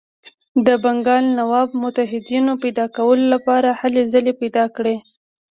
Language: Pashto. د بنګال نواب متحدینو پیدا کولو لپاره هلې ځلې پیل کړې.